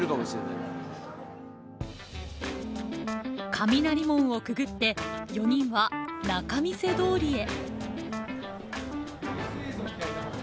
雷門をくぐって４人は仲見世通りへ。